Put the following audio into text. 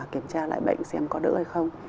kiểm tra lại bệnh xem có đỡ hay không